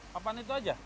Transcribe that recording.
papan itu saja